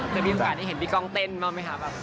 เธอมีความสามารถให้เห็นพี่กองเต้นมาไหมครับ